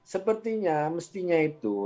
sepertinya mestinya itu